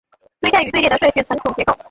堆栈与队列的顺序存储结构